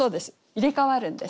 入れ代わるんです。